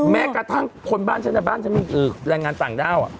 แม้กระทั่งคนบ้านฉันในบ้านฉันมีแรงงานต่างด้าว